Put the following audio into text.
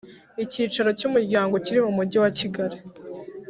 Icyicaro cy Umuryango kiri mu mujyi wa Kigali